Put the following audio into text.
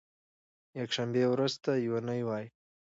یکشنبې ورځې ته یو نۍ وایی